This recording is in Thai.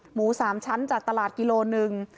หมู๓ชั้นจากตลาดกิโลหนึ่ง